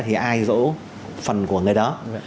thì ai dỗ phần của người đó